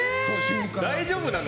大丈夫なの？